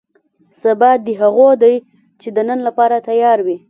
سبا دې هغو دی چې د نن لپاره تیار وي.